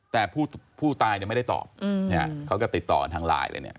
แต่ผู้ตายเนี่ยไม่ได้ตอบเขาก็ติดต่อกันทางไลน์เลยเนี่ย